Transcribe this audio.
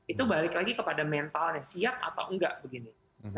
itu balik lagi kepada mentalnya siap atau enggak begini